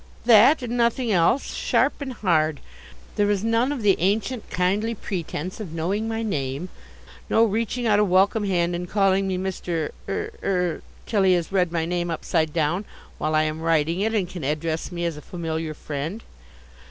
That, and nothing else, sharp and hard. There is none of the ancient kindly pretence of knowing my name, no reaching out a welcome hand and calling me Mr. Er Er till he has read my name upside down while I am writing it and can address me as a familiar friend.